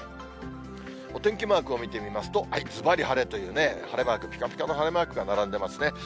お天気マークを見てみますと、ずばり晴れという、晴れマーク、ぴかぴかの晴れマークが並んでますね。